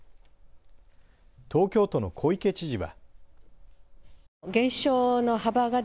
東京都の小池知事は。